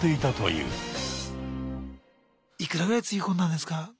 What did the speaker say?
いくらぐらいつぎ込んだんですか？